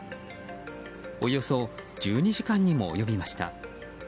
およそ１２時間にも及びました。